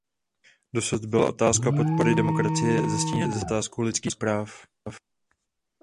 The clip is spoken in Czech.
Dosud byla otázka podpory demokracie zastíněna otázkou lidských práv.